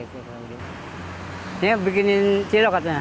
ini bikinin cilok katanya dua puluh dua puluh ribu wah udah punya pikirnya nggak bener nih